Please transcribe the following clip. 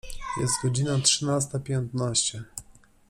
Jest godzina trzynasta piętnaście.